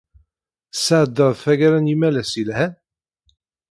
Tesɛeddaḍ tagara n yimalas yelhan?